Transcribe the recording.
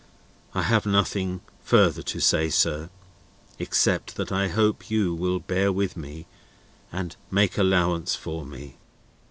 I have nothing further to say, sir, except that I hope you will bear with me and make allowance for me."